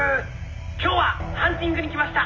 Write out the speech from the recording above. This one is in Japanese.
「今日はハンティングに来ました。